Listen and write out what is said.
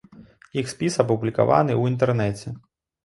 Іх спіс апублікаваны ў інтэрнэце.